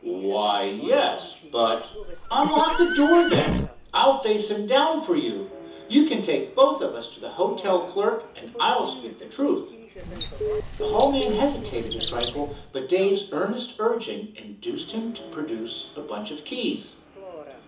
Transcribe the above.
"Why, yes, but——" "Unlock the door, then. I'll face him down for you. You can take both of us to the hotel clerk, and I'll speak the truth." The hall man hesitated a trifle, but Dave's earnest urging induced him to produce a bunch of keys.